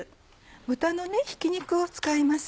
豚のひき肉を使います。